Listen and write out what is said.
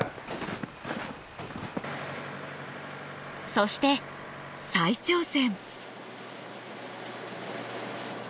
そして再挑戦。